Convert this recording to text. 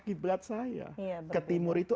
kiblat saya ke timur itu